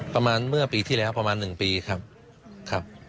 ประมาณเมื่อปีที่แล้วประมาณ๑ปีครับครับ